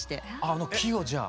あの木をじゃあ。